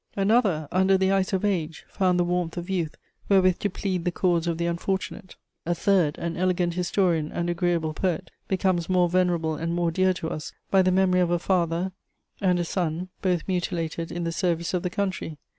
Another, under the ice of age, found the warmth of youth wherewith to plead the cause of the unfortunate. A third, an elegant historian and agreeable poet, becomes more venerable and more dear to us by the memory of a father and a son, both mutilated in the service of the country.